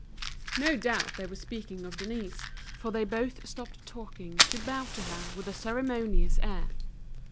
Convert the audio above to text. No doubt they were speaking of Denise, for they both stopped talking to bow to her with a ceremonious air.